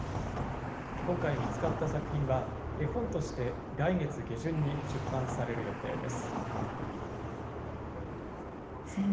今回見つかった作品は、絵本として来月下旬に出版される予定です。